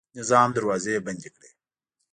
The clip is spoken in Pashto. نظام دروازې بندې کړې.